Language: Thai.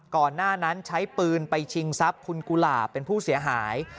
ก่อนหน้านั้นใช้ปืนไปชิงทรัพย์คุณกุหลาบเป็นผู้เสียหาย